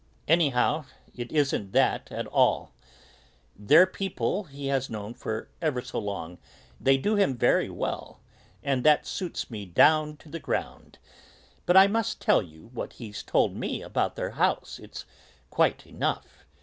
"Anyhow, it isn't that at all. They're people he has known for ever so long, they do him very well, and that suits me down to the ground. But I must tell you what he's told me about their house; it's quite enough.